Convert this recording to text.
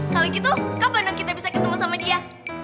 kalo gitu kapan dong kita bisa ketemu sama dia